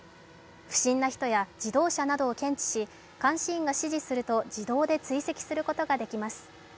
不審な人や自動車などを検知し監視員が指示すると自動で追跡することができます。